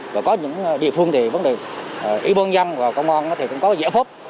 và có những địa phương thì vấn đề y bôn dân và công an thì cũng có giải phóp